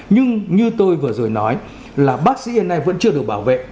nhưng như tôi vừa rồi nói là bác sĩ hiện nay vẫn chưa được bảo vệ